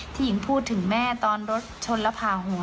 หญิงพูดถึงแม่ตอนรถชนแล้วผ่าหัว